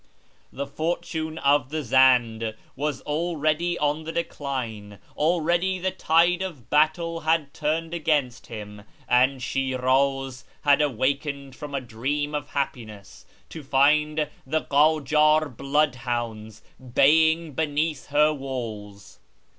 The fortune of the Zend was already on the decline : already the tide of battle had turned against him, and Shiraz had awakened from a dream of happiness to find the K;ijar bloodhounds baying beneath her walls.